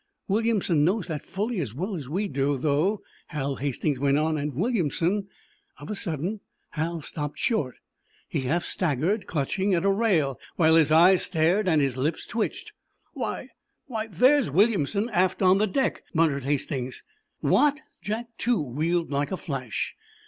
'" "Williamson knows that fully as well as we do, though," Hal Hastings went on. "And Williamson—" Of a sudden Hal stopped short. He half staggered, clutching at a rail, while his eyes stared and his lips twitched. "Why—why—there's Williamson—aft on the deck!" muttered Hastings. "What!" Jack, too, wheeled like a flash.